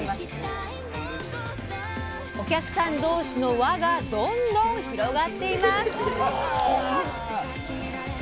お客さん同士の輪がどんどん広がっています。